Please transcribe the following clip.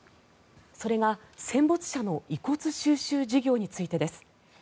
それが戦没者の遺骨収集事業についてです。